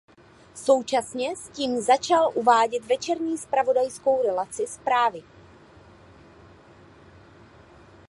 Současně s tím začal uvádět večerní zpravodajskou relaci Zprávy.